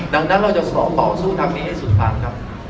ดังนั้นเราจะขอต่อสู้ทางนี้ให้สุดทางครับ